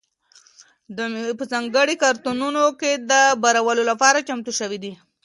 دا مېوې په ځانګړو کارتنونو کې د بارولو لپاره چمتو شوي دي.